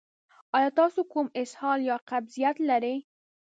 ایا تاسو کوم اسهال یا قبضیت لرئ؟